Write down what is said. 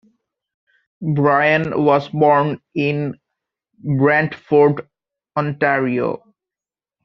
Bryan was born in Brantford, Ontario.